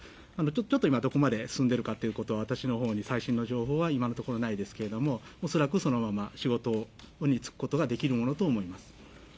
ちょっと今、どこまで進んでるかっていうことは、私のほうに最新の情報は、今のところないですけれども、恐らくそのまま仕事に就くことができるものと思われます。